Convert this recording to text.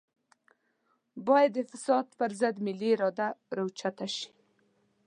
بايد د فساد پر ضد ملي اراده راوچته شي.